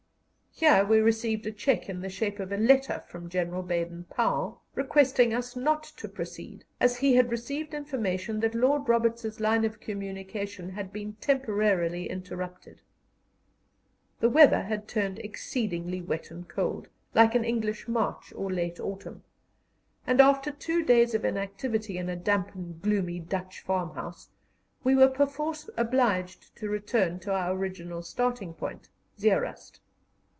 Here we received a check in the shape of a letter from General Baden Powell requesting us not to proceed, as he had received information that Lord Roberts's line of communication had been temporarily interrupted. The weather had turned exceedingly wet and cold, like an English March or late autumn, and after two days of inactivity in a damp and gloomy Dutch farmhouse we were perforce obliged to return to our original starting point, Zeerust.